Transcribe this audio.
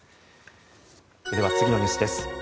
では、次のニュースです。